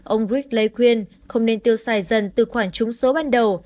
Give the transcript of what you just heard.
ông gregg lay khuyên không nên tiêu sai dần từ khoản trúng số ban đầu